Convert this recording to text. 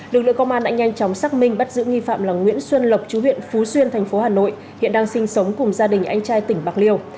lực lượng công an đã nhanh chóng xác minh bắt giữ nghi phạm là nguyễn xuân lộc chú huyện phú xuyên thành phố hà nội hiện đang sinh sống cùng gia đình anh trai tỉnh bạc liêu